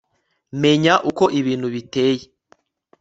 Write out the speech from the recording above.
Menya uko ibintu biteye